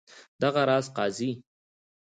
دغه راز قاضي.